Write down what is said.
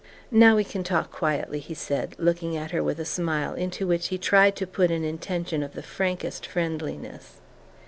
"Now we can talk quietly," he said, looking at her with a smile into which he tried to put an intention of the frankest friendliness.